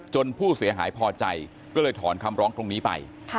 ผู้เสียหายพอใจก็เลยถอนคำร้องตรงนี้ไป